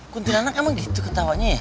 kuntilanak emang gitu ketawanya ya